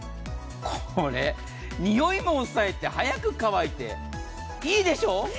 これ、臭いも抑えて早く乾いて、いいでしょ。